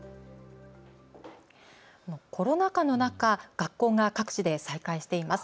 コロナ禍の中、学校が各地で再開しています。